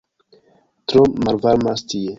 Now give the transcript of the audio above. "Tro malvarmas tie!"